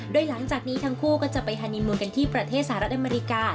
โดยหลังจากนี้ทั้งคู่ก็จะไปฮานีมูลกันที่ประเทศสหรัฐอเมริกา